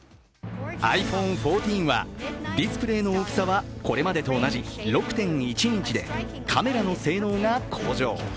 ｉＰｈｏｎｅ１４は、ディスプレイの大きさはこれまでと同じ６．１インチで、カメラの性能が向上。